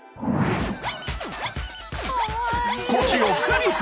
腰をフリフリ！